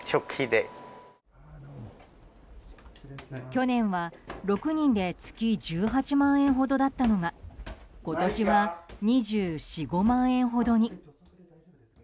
去年は６人で月１８万円ほどだったのが今年は２４２５万円ほどに。